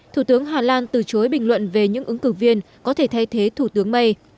thủ tướng hà lan từ chối bình luận về những ứng cử viên có thể thay thế thủ tướng may